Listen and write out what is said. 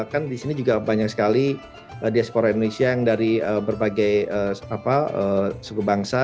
kan di sini juga banyak sekali diaspora indonesia yang dari berbagai suku bangsa